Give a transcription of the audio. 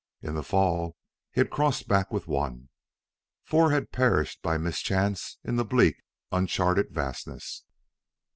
In the fall he had crossed back with one. Four had perished by mischance in the bleak, uncharted vastness.